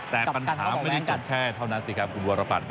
แต่ปัญหาไม่ได้จบแค่เท่านั้นสิครับคุณวรปัตร